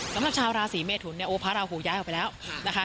สำหรับชาวราศีเมทุนเนี่ยโอ้พระราหูย้ายออกไปแล้วนะคะ